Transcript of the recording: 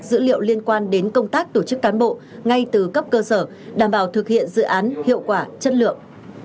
dữ liệu liên quan đến công tác tổ chức cán bộ ngay từ cấp cơ sở đảm bảo thực hiện dự án hiệu quả chất lượng